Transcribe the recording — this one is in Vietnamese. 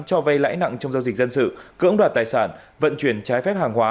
cho vay lãi nặng trong giao dịch dân sự cưỡng đoạt tài sản vận chuyển trái phép hàng hóa